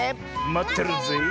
まってるぜえ。